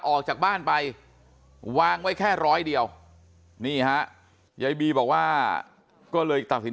ออกจากบ้านไปวางไว้แค่ร้อยเดียวนี่ฮะยายบีบอกว่าก็เลยตัดสิน